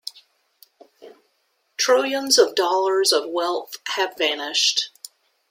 Trillions of dollars of wealth have vanished.